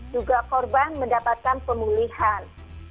juga korban mendapatkan pemulihan